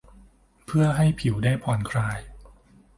เพื่อให้ผิวได้ผ่อนคลาย